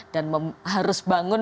dan harus bangun